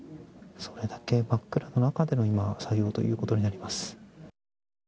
それだけ真っ暗の中での作業ということになります。